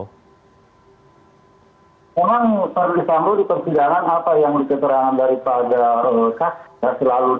memang ferdi sambu di persidangan apa yang diketerangan daripada saksi tidak selalu benar